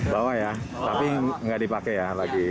bawa ya tapi tidak dipakai ya